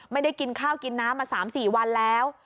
ไม่ได้กินข้าวกินน้ำมา๓๔วันแล้ว